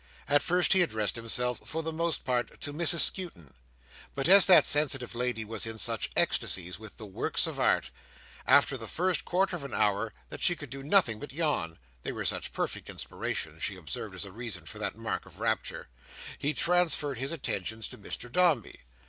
At first, he addressed himself for the most part to Mrs Skewton; but as that sensitive lady was in such ecstasies with the works of art, after the first quarter of an hour, that she could do nothing but yawn (they were such perfect inspirations, she observed as a reason for that mark of rapture), he transferred his attentions to Mr Dombey.